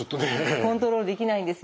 コントロールできないんですよね。